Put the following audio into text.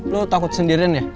lu takut sendirian ya